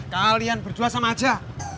kalian berdua sama aja